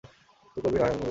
তুই পরবি নাহয় আমি পরব।